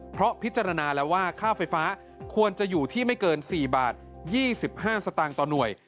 เพราะพิจารณาแล้วว่าค่าไฟฟ้าควรจะอยู่ที่ไม่เกิน๔บาท๒๕สตางค์ต่อหน่วย